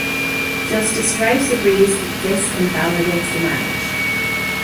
Justice Strauss agrees that this invalidates the marriage.